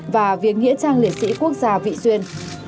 và viếng nghĩa trang liệt sĩ quốc gia vị xuyên